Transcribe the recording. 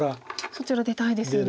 そちら出たいですね。